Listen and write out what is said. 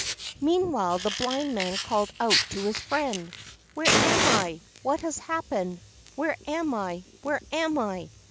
Meanwhile the Blind Man called out to his friend: "Where am I? What has happened? Where am I? Where am I?"